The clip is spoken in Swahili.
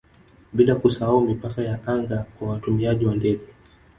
bila kusahau mipaka ya anga kwa watumiaji wa ndege